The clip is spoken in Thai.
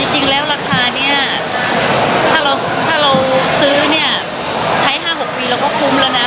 จริงแล้วราคานี้ถ้าเราซื้อเนี่ยใช้๕๖ปีเราก็คุ้มแล้วนะ